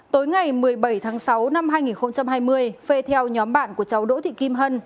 tối ngày một mươi bảy tháng sáu năm hai nghìn hai mươi phê theo nhóm bạn của cháu đỗ thị kim hân